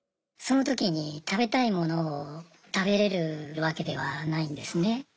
そのときに食べたいものを食べれるわけではないんですね。